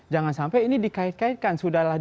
jangan sampai ini dikait kaitkan sudah